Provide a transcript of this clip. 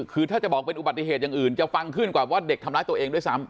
คือถ้าจะบอกเป็นอุบัติเหตุอย่างอื่นจะฟังขึ้นกว่าว่าเด็กทำร้ายตัวเองด้วยซ้ำ